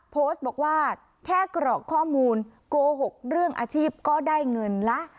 โพสต์บอกว่าแค่กรอกข้อมูลโกหกเรื่องอาชีพก็ได้เงินละ